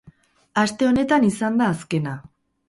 Aste honetan izan da azkena.